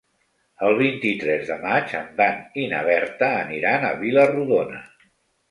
El vint-i-tres de maig en Dan i na Berta aniran a Vila-rodona.